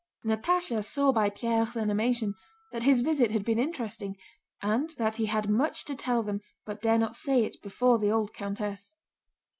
Natásha saw by Pierre's animation that his visit had been interesting and that he had much to tell them but dare not say it before the old countess.